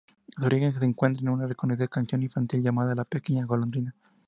Su origen se encuentra en una reconocida canción infantil llamada "La pequeña golondrina".